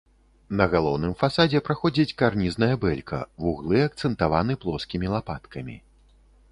На галоўным фасадзе праходзіць карнізная бэлька, вуглы акцэнтаваны плоскімі лапаткамі.